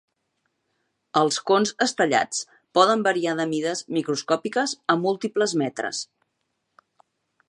Els cons estellats poden variar de mides microscòpiques a múltiples metres.